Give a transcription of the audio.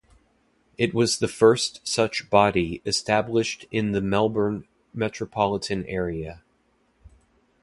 It was the first such body established in the Melbourne metropolitan area.